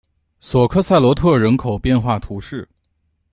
索克塞罗特人口变化图示